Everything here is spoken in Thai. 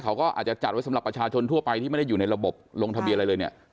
เขาก็อาจจะจัดไว้สำหรับประชาชนทั่วไปที่ไม่ได้อยู่ในระบบลงทะเบียนอะไรเลยเนี่ย